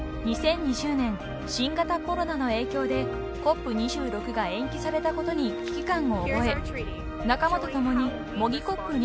［２０２０年新型コロナの影響でＣＯＰ２６が延期されたことに危機感を覚え仲間と共に摸擬